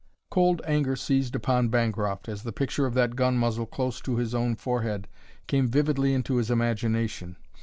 Cold anger seized upon Bancroft as the picture of that gun muzzle close to his own forehead came vividly into his imagination.